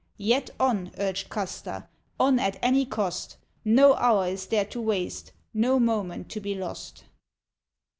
"Yet on," urged Custer, "on at any cost, No hour is there to waste, no moment to be lost."